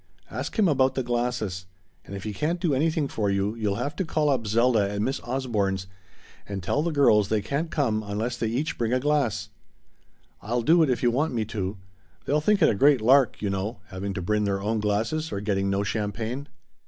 Ask him about the glasses. And if he can't do anything for you you'll have to call up Zelda at Miss Osborne's and tell the girls they can't come unless they each bring a glass. I'll do it if you want me to. They'll think it a great lark, you know, having to bring their own glasses or getting no champagne."